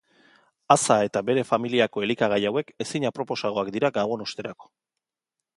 Aza eta bere familiako elikagai hauek ezin aproposagoak dira gabon osterako.